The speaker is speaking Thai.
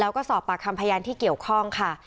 แล้วก็สอบปากคำพยานที่เกี่ยวข้องค่ะ